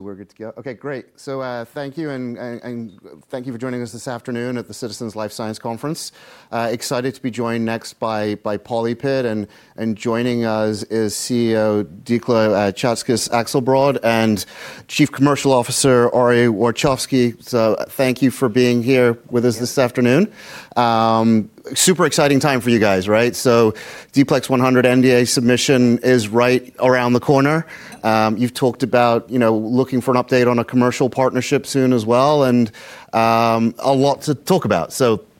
We're good to go? Okay, great. Thank you and thank you for joining us this afternoon at the Citizens Life Sciences Conference. Excited to be joined next by PolyPid, and joining us is CEO Dikla Czaczkes Akselbrad and Chief Operating Officer Ori Warshavsky. Thank you for being here with us this afternoon. Super exciting time for you guys, right? D-PLEX₁₀₀ NDA submission is right around the corner. You've talked about, you know, looking for an update on a commercial partnership soon as well, and a lot to talk about.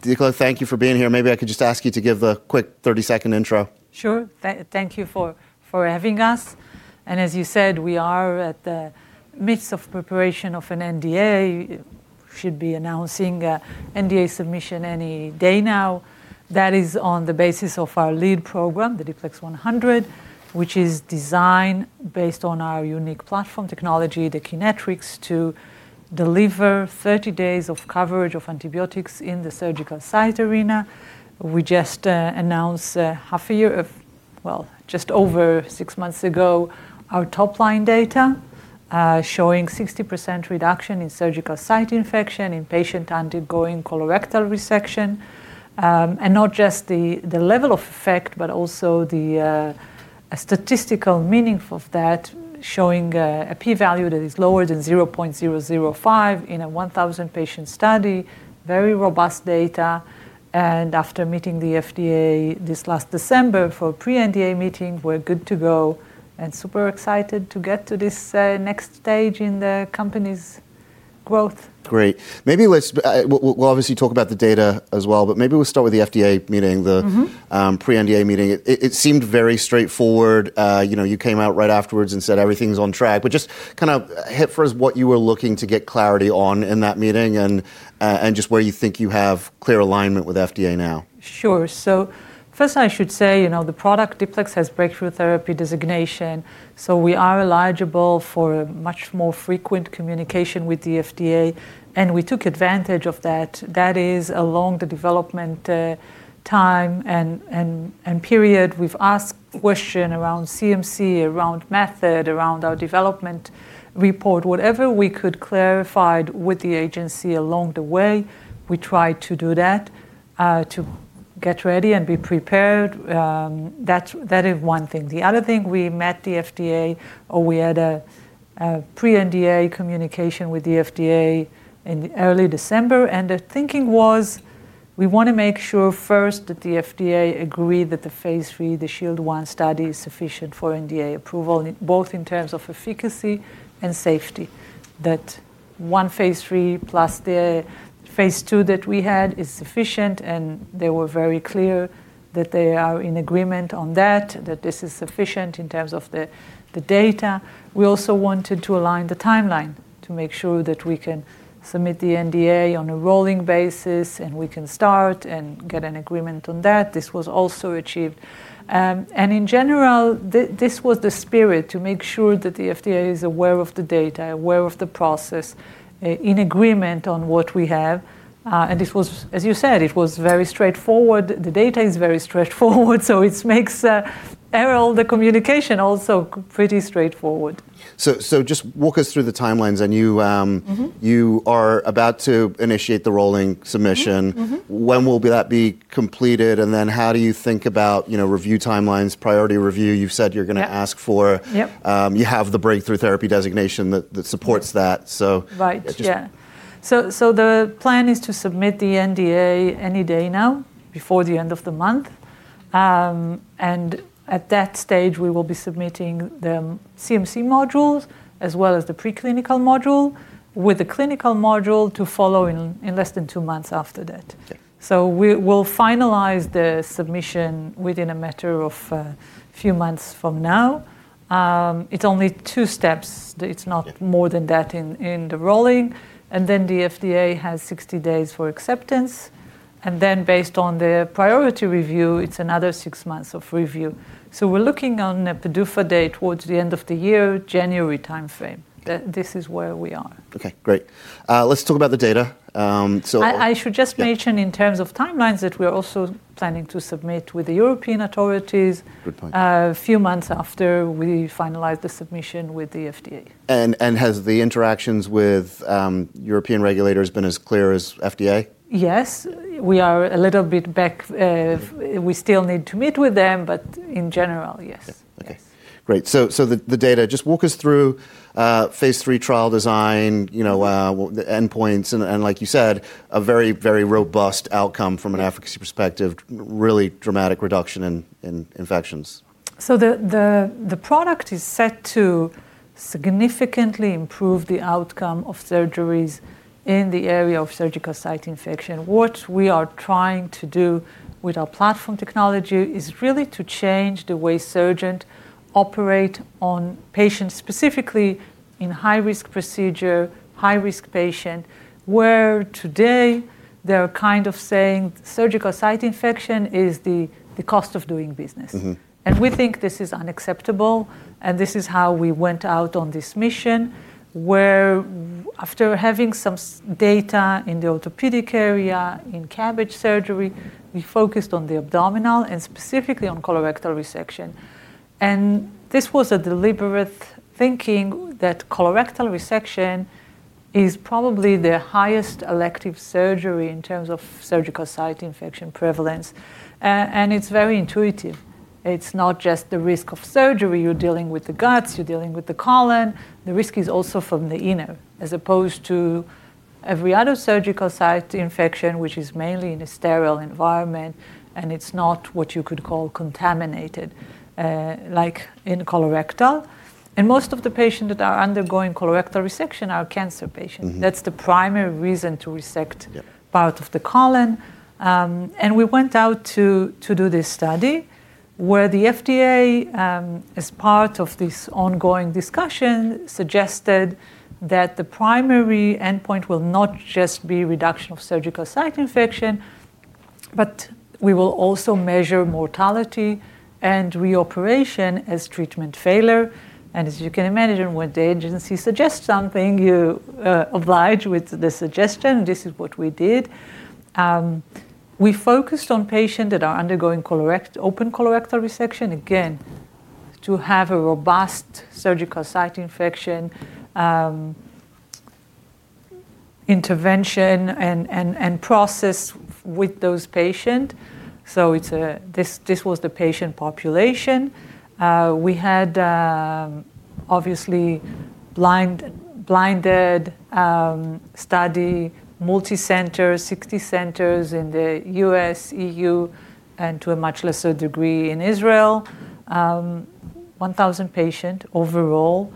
Dikla, thank you for being here. Maybe I could just ask you to give a quick 30-second intro. Sure. Thank you for having us. As you said, we are at the midst of preparation of an NDA. Should be announcing an NDA submission any day now. That is on the basis of our lead program, the D-PLEX₁₀₀, which is designed based on our unique platform technology, the PLEX, to deliver 30 days of coverage of antibiotics in the surgical site arena. We just announced, well, just over six months ago, our top-line data, showing 60% reduction in surgical site infection in patient undergoing colorectal resection. Not just the level of effect, but also the statistical meaning of that, showing a P value that is lower than 0.005 in a 1,000 patient study, very robust data. After meeting the FDA this last December for a pre-NDA meeting, we're good to go and super excited to get to this next stage in the company's growth. Great. We'll obviously talk about the data as well, but maybe we'll start with the FDA meeting, the Mm-hmm pre-NDA meeting. It seemed very straightforward. You know, you came out right afterwards and said everything's on track. Just kind of hit for us what you were looking to get clarity on in that meeting and just where you think you have clear alignment with FDA now. Sure. First, I should say, you know, the product D-PLEX₁₀₀ has breakthrough therapy designation, so we are eligible for much more frequent communication with the FDA, and we took advantage of that. That is along the development time and period. We've asked question around CMC, around method, around our development report. Whatever we could clarified with the agency along the way, we tried to do that, to get ready and be prepared. That's one thing. The other thing, we met the FDA, or we had a pre-NDA communication with the FDA in early December. The thinking was, we want to make sure first that the FDA agree that the Phase three, the SHIELD I study, is sufficient for NDA approval, both in terms of efficacy and safety, that one Phase three plus the Phase two that we had is sufficient, and they were very clear that they are in agreement on that this is sufficient in terms of the data. We also wanted to align the timeline to make sure that we can submit the NDA on a rolling basis, and we can start and get an agreement on that. This was also achieved. In general, this was the spirit, to make sure that the FDA is aware of the data, aware of the process, in agreement on what we have. This was, as you said, it was very straightforward. The data is very straightforward, so it makes all the communication also pretty straightforward. Just walk us through the timelines. I know you, Mm-hmm You are about to initiate the rolling submission. Mm-hmm. Mm-hmm. When will that be completed, and then how do you think about, you know, review timelines, priority review? You've said you're gonna ask for- Yep You have the Breakthrough Therapy Designation that supports that. Right. Yeah Just. The plan is to submit the NDA any day now, before the end of the month. At that stage, we will be submitting the CMC modules as well as the preclinical module, with the clinical module to follow in less than two months after that. Yeah. We'll finalize the submission within a matter of few months from now. It's only two steps. Yeah more than that in the rolling, and then the FDA has 60 days for acceptance, and then based on the priority review, it's another six months of review. We're looking on a PDUFA date towards the end of the year, January timeframe. This is where we are. Okay, great. Let's talk about the data. I should just mention. Yeah In terms of timelines, that we're also planning to submit with the European authorities. Good point. a few months after we finalize the submission with the FDA. Has the interactions with European regulators been as clear as FDA? Yes. We are a little bit back. We still need to meet with them, but in general, yes. Okay. Yes. Great. The data, just walk us through Phase three trial design, you know, the endpoints and like you said, a very robust outcome from an efficacy perspective, really dramatic reduction in infections. The product is set to significantly improve the outcome of surgeries in the area of surgical site infection. What we are trying to do with our platform technology is really to change the way surgeons operate on patients, specifically in high-risk procedures, high-risk patients, where today they're kind of saying surgical site infection is the cost of doing business. Mm-hmm. We think this is unacceptable, and this is how we went out on this mission, where, after having some SSI data in the orthopedic area, in CABG surgery, we focused on the abdominal and specifically on colorectal resection. This was a deliberate thinking that colorectal resection is probably the highest elective surgery in terms of surgical site infection prevalence. It's very intuitive. It's not just the risk of surgery. You're dealing with the guts, you're dealing with the colon. The risk is also from the inner, as opposed to every other surgical site infection, which is mainly in a sterile environment, and it's not what you could call contaminated, like in colorectal. Most of the patients that are undergoing colorectal resection are cancer patients. Mm-hmm. That's the primary reason to resect. Yeah part of the colon. We went out to do this study where the FDA, as part of this ongoing discussion, suggested that the primary endpoint will not just be reduction of surgical site infection, but we will also measure mortality and reoperation as treatment failure. As you can imagine, when the agency suggests something, you oblige with the suggestion. This is what we did. We focused on patients that are undergoing open colorectal resection, again, to have a robust surgical site infection intervention and process with those patients. This was the patient population. We had obviously blinded study, multicenter, 60 centers in the U.S., E.U., and to a much lesser degree in Israel. 1000 patient overall,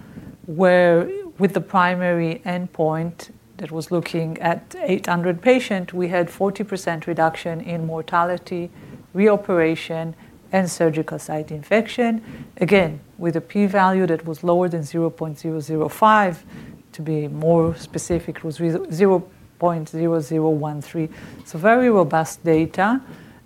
where with the primary endpoint that was looking at 800 patient, we had 40% reduction in mortality, reoperation, and surgical site infection. Again, with a p-value that was lower than 0.005, to be more specific, it was 0.0013. It's a very robust data.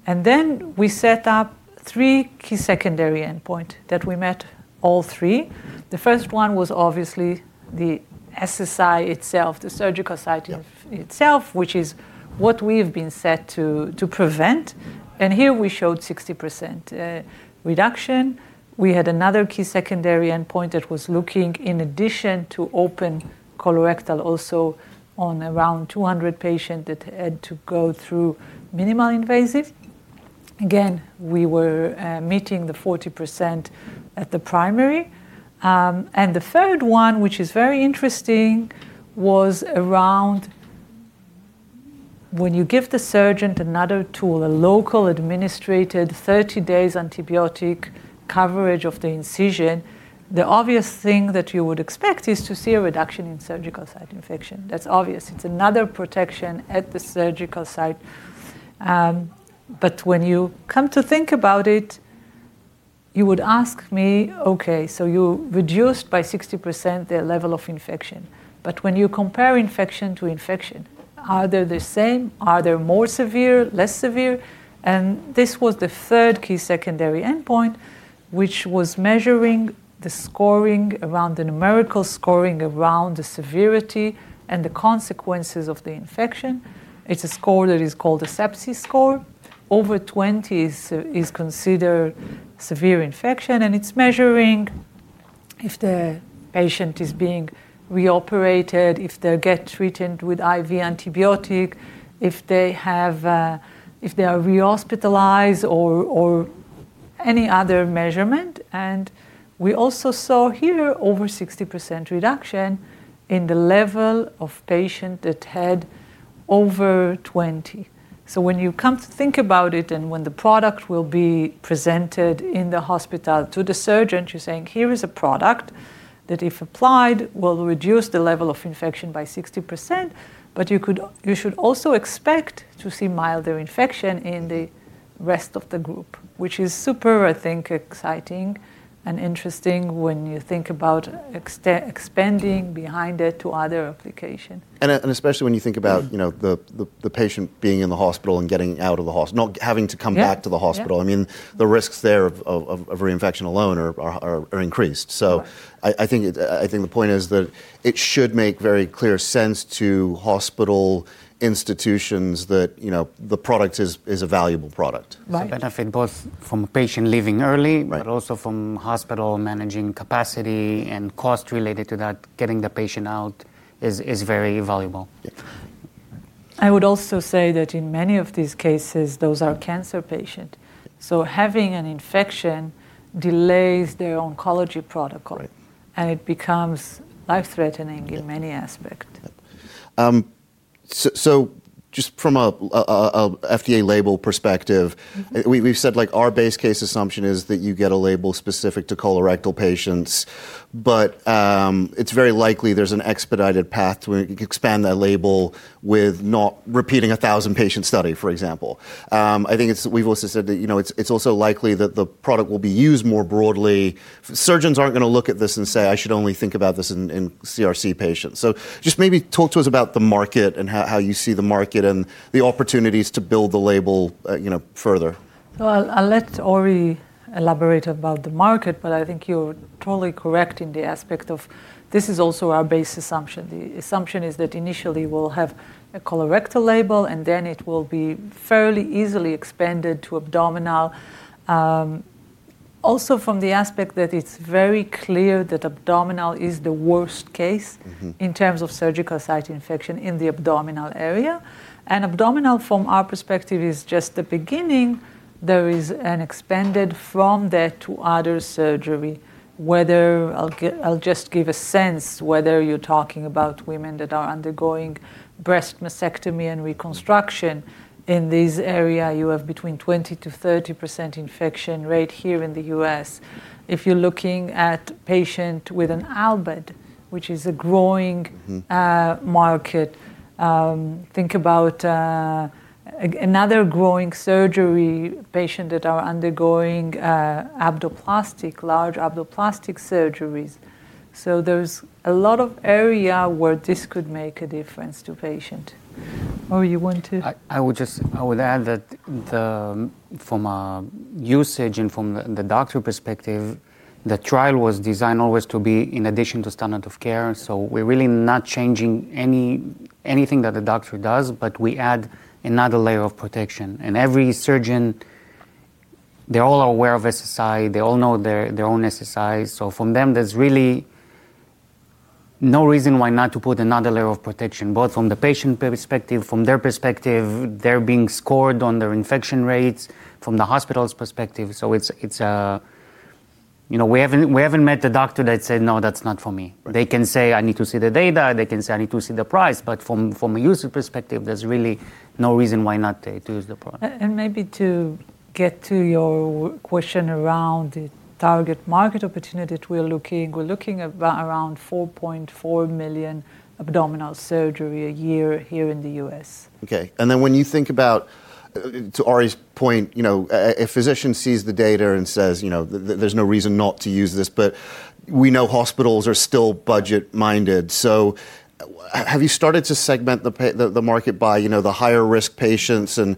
Then we set up three key secondary endpoint that we met all three. The first one was obviously the SSI itself, the surgical site Yeah... itself, which is what we have been set to prevent. Here we showed 60% reduction. We had another key secondary endpoint that was looking in addition to open colorectal also on around 200 patients that had to go through minimally invasive. Again, we were meeting the 40% at the primary. The third one, which is very interesting, was around when you give the surgeon another tool, a locally administered 30-day antibiotic coverage of the incision, the obvious thing that you would expect is to see a reduction in surgical site infection. That's obvious. It's another protection at the surgical site. When you come to think about it, you would ask me, "Okay, so you reduced by 60% the level of infection." When you compare infection to infection, are they the same? Are they more severe? Less severe? This was the third key secondary endpoint, which was measuring the scoring around the numerical scoring around the severity and the consequences of the infection. It's a score that is called an ASEPSIS score. Over 20 is considered severe infection, and it's measuring if the patient is being reoperated, if they get treated with IV antibiotic, if they have, if they are rehospitalized or any other measurement. We also saw here over 60% reduction in the level of patient that had over 20. when you come to think about it and when the product will be presented in the hospital to the surgeon, you're saying, "Here is a product that if applied, will reduce the level of infection by 60%." But you should also expect to see milder infection in the rest of the group, which is super, I think, exciting and interesting when you think about expanding behind it to other application. especially when you think about Mm-hmm You know, the patient being in the hospital and getting out of the hospital, not having to come back. Yeah. Yeah to the hospital. I mean, the risks there of reinfection alone are increased. So Right I think the point is that it should make very clear sense to hospital institutions that, you know, the product is a valuable product. Right. It's a benefit both from a patient leaving early. Right also from hospital managing capacity and cost related to that. Getting the patient out is very valuable. Yeah. I would also say that in many of these cases, those are cancer patient. Having an infection delays their oncology protocol. Right. It becomes life-threatening in many aspect. Yeah. Just from a FDA label perspective. Mm-hmm We've said, like, our base case assumption is that you get a label specific to colorectal patients. It's very likely there's an expedited path to where you can expand that label with not repeating a 1,000-patient study, for example. I think it's, we've also said that, you know, it's also likely that the product will be used more broadly. Surgeons aren't gonna look at this and say, "I should only think about this in CRC patients." Just maybe talk to us about the market and how you see the market and the opportunities to build the label, you know, further. Well, I'll let Ori elaborate about the market, but I think you're totally correct in the aspect of this is also our base assumption. The assumption is that initially we'll have a colorectal label, and then it will be fairly easily expanded to abdominal. Also from the aspect that it's very clear that abdominal is the worst case. Mm-hmm In terms of surgical site infection in the abdominal area. Abdominal from our perspective is just the beginning. There is an expansion from there to other surgery, whether I'll just give a sense whether you're talking about women that are undergoing breast mastectomy and reconstruction. In this area, you have between 20%-30% infection rate here in the U.S. If you're looking at patient with an LVAD, which is a growing- Mm-hmm Market, think about another growing surgery patient that are undergoing abdominoplasty, large abdominoplasty surgeries. There's a lot of area where this could make a difference to patient. Ori, you want to- I would add that from a usage and from the doctor perspective, the trial was designed always to be in addition to standard of care. We're really not changing anything that the doctor does, but we add another layer of protection. Every surgeon, they're all aware of SSI. They all know their own SSI. From them, there's really no reason why not to put another layer of protection, both from the patient perspective, from their perspective, they're being scored on their infection rates, from the hospital's perspective. It's. You know, we haven't met a doctor that said, "No, that's not for me. Right. They can say, "I need to see the data." They can say, "I need to see the price." But from a user perspective, there's really no reason why not to use the product. Maybe to get to your question around the target market opportunity that we're looking at around 4.4 million abdominal surgery a year here in the U.S. Okay. When you think about to Ori's point, you know, a physician sees the data and says, you know, "There's no reason not to use this," but we know hospitals are still budget-minded. Have you started to segment the market by, you know, the higher risk patients and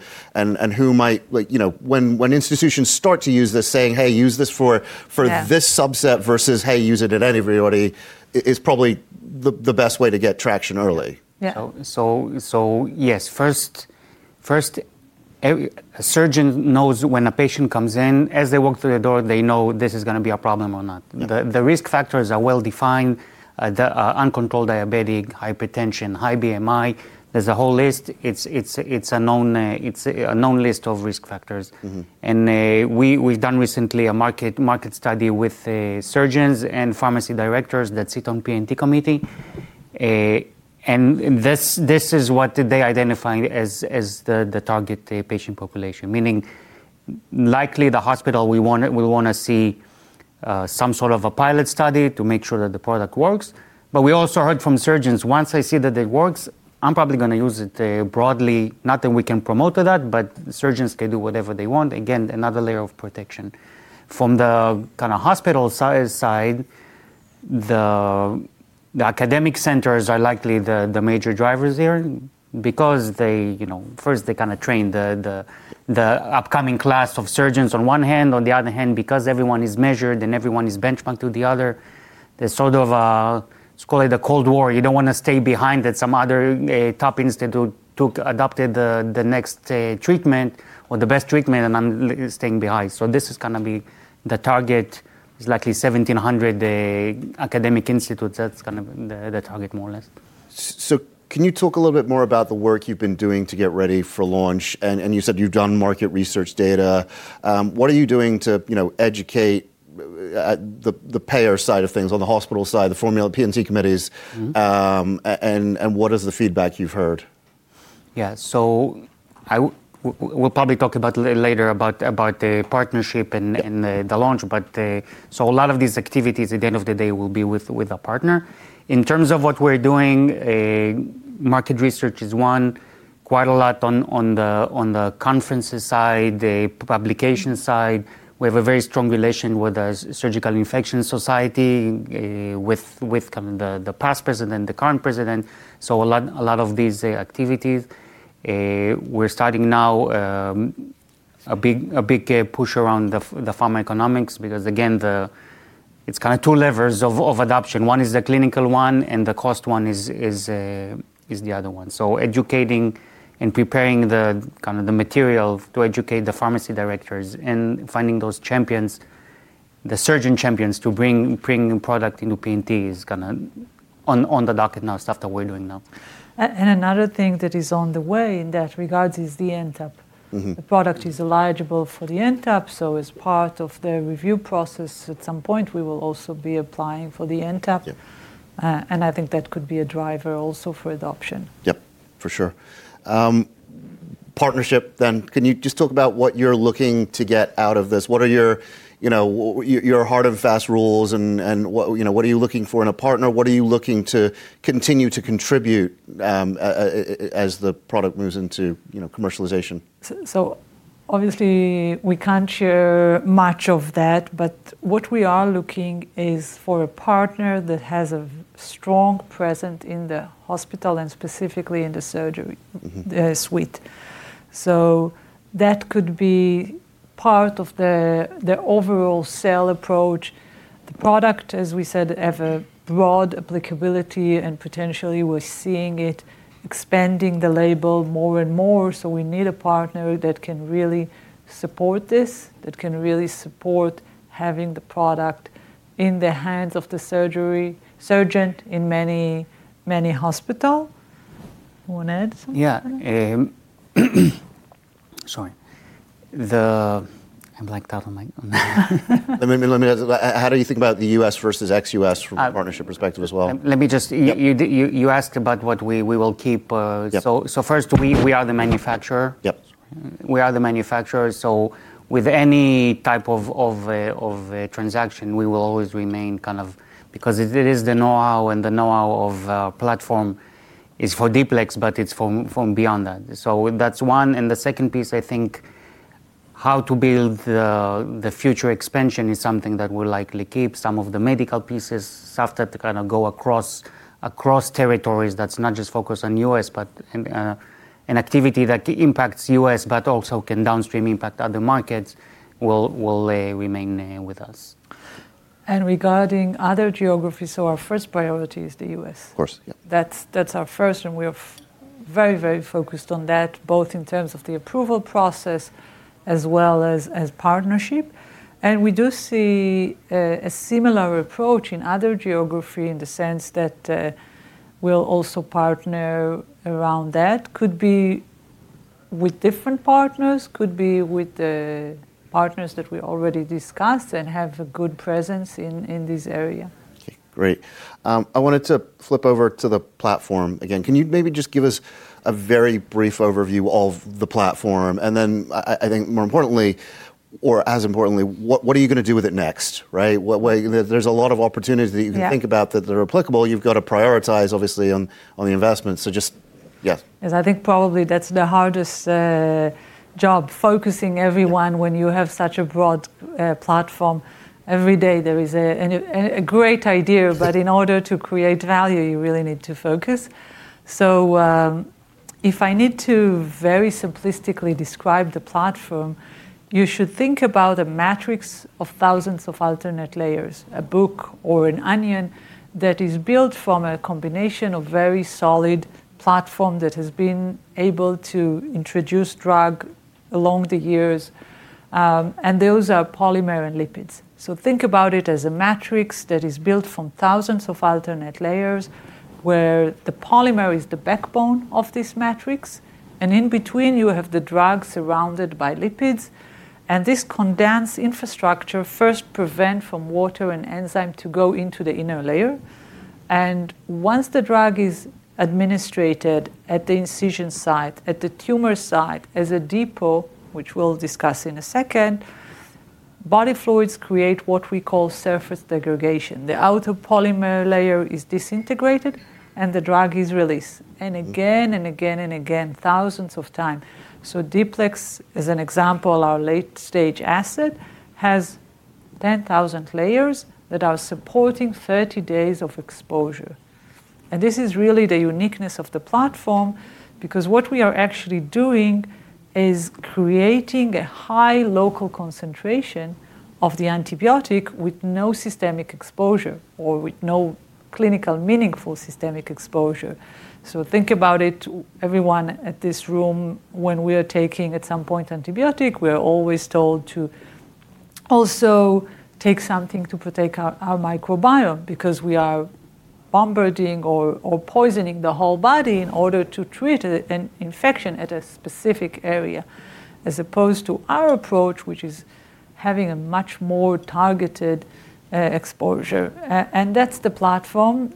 who might. Like, you know, when institutions start to use this saying, "Hey, use this for- Yeah This subset," versus, "Hey, use it on everybody," is probably the best way to get traction early. Yeah. Yes. First, a surgeon knows when a patient comes in, as they walk through the door, they know this is gonna be a problem or not. Yeah. The risk factors are well-defined. The uncontrolled diabetes, hypertension, high BMI. There's a whole list. It's a known list of risk factors. Mm-hmm. We've done recently a market study with surgeons and pharmacy directors that sit on P&T committee. This is what they identifying as the target patient population, meaning likely the hospital will wanna see some sort of a pilot study to make sure that the product works. But we also heard from surgeons, "Once I see that it works, I'm probably gonna use it broadly." Not that we can promote that, but surgeons can do whatever they want. Again, another layer of protection. From the kind of hospital side, the academic centers are likely the major drivers there because they, you know, first they kind of train the upcoming class of surgeons on one hand. On the other hand, because everyone is measured and everyone is benchmarked to the other, there's sort of a, let's call it a cold war. You don't wanna stay behind that some other top institute adopted the next treatment or the best treatment, and I'm staying behind. This is gonna be the target. It's likely 1,700 academic institutes. That's kind of the target more or less. Can you talk a little bit more about the work you've been doing to get ready for launch? You said you've done market research data. What are you doing to, you know, educate the payer side of things or the hospital side, the formulary P&T committees? Mm-hmm What is the feedback you've heard? Yeah. We'll probably talk about later about the partnership and the launch, but a lot of these activities at the end of the day will be with a partner. In terms of what we're doing, market research is one, quite a lot on the conferences side, the publication side. We have a very strong relation with Surgical Infection Society, with kind of the past president, the current president, so a lot of these activities. We're starting now a big push around the pharmacoeconomics because again, it's kind of two levers of adoption. One is the clinical one, and the cost one is the other one. Educating and preparing the kind of the material to educate the pharmacy directors and finding those champions, the surgeon champions to bring new product into P&T is kinda on the docket now, stuff that we're doing now. another thing that is on the way in that regards is the NTAP. Mm-hmm. The product is eligible for the NTAP, so as part of the review process, at some point we will also be applying for the NTAP. Yeah. I think that could be a driver also for adoption. Yep. For sure. Partnership then. Can you just talk about what you're looking to get out of this? What are your, you know, your hard and fast rules and what, you know, what are you looking for in a partner? What are you looking to continue to contribute as the product moves into, you know, commercialization? obviously we can't share much of that, but what we are looking is for a partner that has a strong presence in the hospital and specifically in the surgery Mm-hmm suite. That could be part of the overall sale approach. The product, as we said, have a broad applicability, and potentially we're seeing it expanding the label more and more, so we need a partner that can really support this, that can really support having the product in the hands of the surgeon in many, many hospital. Wanna add something? Yeah. Sorry. I blacked out on my. Let me ask, how do you think about the U.S. versus ex-U.S. from? Uh- A partnership perspective as well? Um, let me just- Yep. You asked about what we will keep. Yep First we are the manufacturer. Yep. We are the manufacturer, so with any type of transaction, we will always remain because it is the know-how of platform is for D-PLEX, but it's from beyond that. That's one, and the second piece I think how to build the future expansion is something that we'll likely keep some of the medical pieces, stuff that kind of go across territories that's not just focused on U.S., but an activity that impacts U.S. but also can downstream impact other markets will remain with us. Regarding other geographies, so our first priority is the U.S. Of course, yeah. That's our first, and we're very, very focused on that, both in terms of the approval process as well as partnership. We do see a similar approach in other geography in the sense that we'll also partner around that. Could be with different partners, could be with the partners that we already discussed and have a good presence in this area. Okay. Great. I wanted to flip over to the platform again. Can you maybe just give us a very brief overview of the platform? Then I think more importantly, or as importantly, what are you gonna do with it next, right? There's a lot of opportunities. Yeah that you can think about that are applicable. You've got to prioritize obviously on the investment. Just yeah. Yes, I think probably that's the hardest job, focusing everyone when you have such a broad platform. Every day there is a great idea but in order to create value, you really need to focus. If I need to very simplistically describe the platform, you should think about a matrix of thousands of alternate layers, a book or an onion that is built from a combination of very solid platform that has been able to introduce drug along the years, and those are polymer and lipids. Think about it as a matrix that is built from thousands of alternate layers where the polymer is the backbone of this matrix, and in between you have the drug surrounded by lipids. This condensed infrastructure first prevent from water and enzyme to go into the inner layer. Once the drug is administered at the incision site, at the tumor site, as a depot, which we'll discuss in a second, body fluids create what we call surface degradation. The outer polymer layer is disintegrated, and the drug is released, and again and again and again, thousands of times. D-PLEX₁₀₀, as an example, our late-stage asset, has 10,000 layers that are supporting 30 days of exposure. This is really the uniqueness of the platform because what we are actually doing is creating a high local concentration of the antibiotic with no systemic exposure or with no clinically meaningful systemic exposure. Think about it, everyone in this room, when we are taking an antibiotic at some point, we're always told to also take something to protect our microbiome because we are bombarding or poisoning the whole body in order to treat an infection at a specific area, as opposed to our approach, which is having a much more targeted exposure. That's the platform.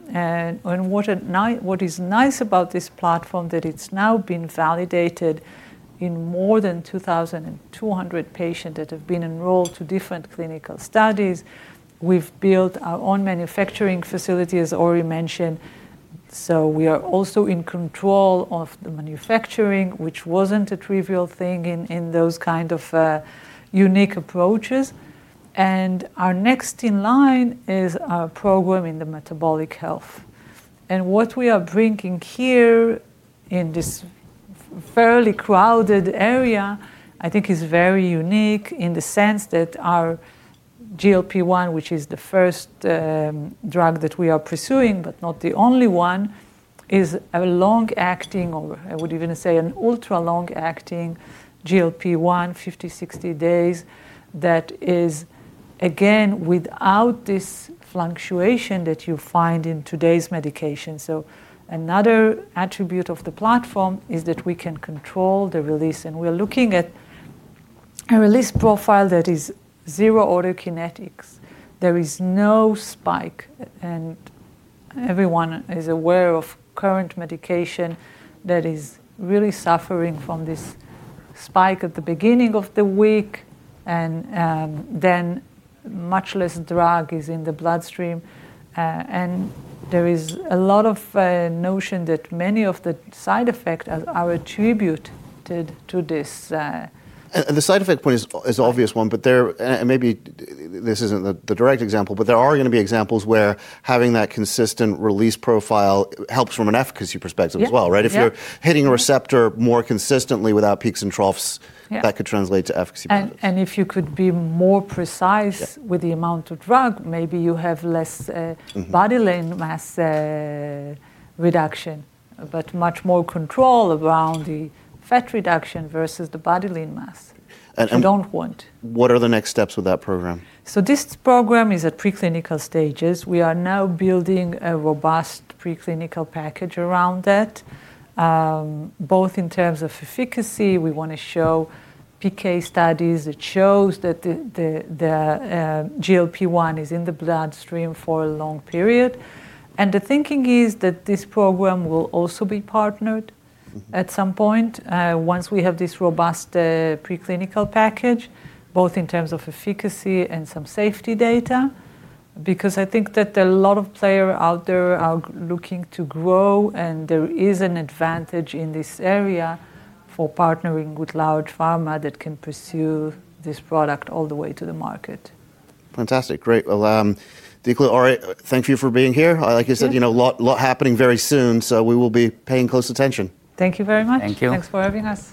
What is nice about this platform that it's now been validated in more than 2,200 patients that have been enrolled in different clinical studies. We've built our own manufacturing facility, as Ori mentioned, so we are also in control of the manufacturing, which wasn't a trivial thing in those kind of unique approaches. Our next in line is our program in the metabolic health. What we are bringing here in this fairly crowded area I think is very unique in the sense that our GLP-1, which is the first drug that we are pursuing, but not the only one, is a long-acting, or I would even say an ultra-long acting GLP-1, 50, 60 days, that is again without this fluctuation that you find in today's medication. Another attribute of the platform is that we can control the release, and we're looking at a release profile that is zero-order kinetics. There is no spike, and everyone is aware of current medication that is really suffering from this spike at the beginning of the week and then much less drug is in the bloodstream. And there is a lot of notion that many of the side effects are attributed to this. The side effect point is obvious one, but there maybe this isn't the direct example, but there are gonna be examples where having that consistent release profile helps from an efficacy perspective as well. Yeah. Right? Yeah. If you're hitting a receptor more consistently without peaks and troughs. Yeah that could translate to efficacy benefits. If you could be more precise. Yeah with the amount of drug, maybe you have less Mm-hmm body lean mass reduction, but much more control around the fat reduction versus the lean body mass. And, and- You don't want. What are the next steps with that program? This program is at preclinical stages. We are now building a robust preclinical package around that, both in terms of efficacy, we wanna show PK studies that shows that GLP-1 is in the bloodstream for a long period. The thinking is that this program will also be partnered at some point, once we have this robust preclinical package, both in terms of efficacy and some safety data. I think that a lot of players out there are looking to grow, and there is an advantage in this area for partnering with large pharma that can pursue this product all the way to the market. Fantastic. Great. Well, Dikla, Ori, thank you for being here. Yeah. Like I said, you know, a lot happening very soon, so we will be paying close attention. Thank you very much. Thank you. Thanks for having us.